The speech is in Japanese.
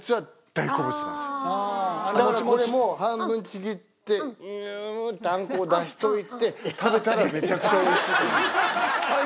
だからこれも半分ちぎってニュってあんこを出しといて食べたらめちゃくちゃ美味しいと思う。